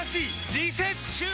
リセッシュー！